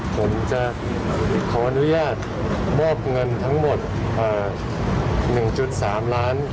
ผมจะขออนุญาตมอบเงินทั้งหมด๑๓ล้าน